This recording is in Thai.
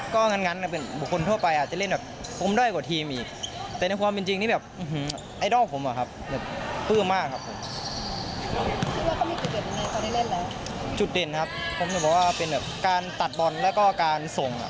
ขนาดเพื่อนยกให้เขาเป็นไอดอลเลย